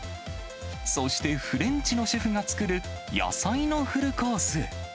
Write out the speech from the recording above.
そしてフレンチのシェフが作る野菜のフルコース。